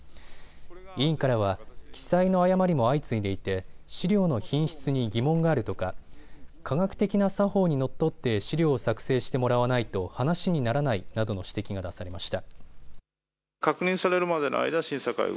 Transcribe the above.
委員からは記載の誤りも相次いでいて資料の品質に疑問があるとか、科学的な作法にのっとって資料を作成してもらわないと話にならないなどの指摘が出されました。